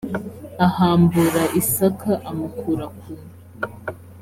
ahambura isaka amukura ku